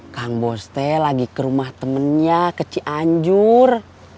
kang boste lagi ke rumah temennya kecik anjur